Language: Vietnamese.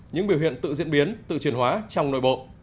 những biểu hiện tự diễn biến tự truyền hóa trong nội bộ